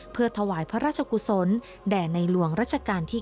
เพื่อถวายพระราชกุศลแด่ในหลวงรัชกาลที่๙